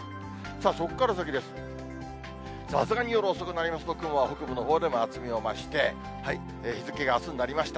さすがに夜遅くなりますと、雲は北部のほうでも厚みを増して、日付があすになりました。